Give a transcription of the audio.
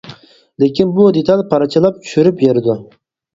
لېكىن بۇ دېتال پارچىلاپ چۈشۈرۈپ بېرىدۇ.